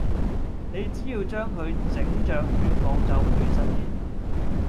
你只要將佢整着願望就會實現